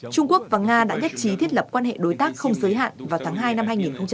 trung quốc và nga đã nhất trí thiết lập quan hệ đối tác không giới hạn vào tháng hai năm hai nghìn hai mươi